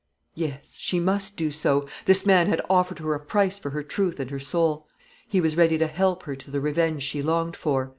Yes, she must do so. This man had offered her a price for her truth and her soul. He was ready to help her to the revenge she longed for.